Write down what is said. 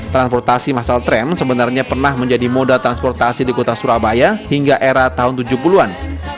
transportasi masal tram sebenarnya pernah menjadi moda transportasi di kota surabaya hingga era tahun tujuh puluh an